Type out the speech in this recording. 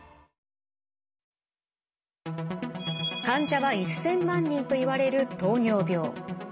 患者は１，０００万人といわれる糖尿病。